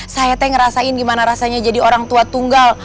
saya teh ngerasain gimana rasanya jadi orang tua tunggal